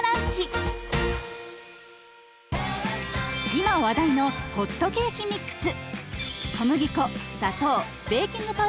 今話題のホットケーキミックス。